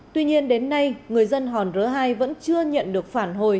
tuy nhiên đến nay người dân hòn rớ hai vẫn chưa nhận được phản hồi